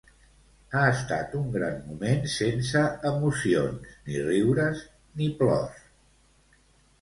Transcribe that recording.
Ha estat un gran moment sense emocions, ni riures ni plors.